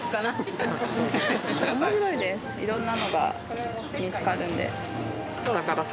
色んなのが見つかるんで。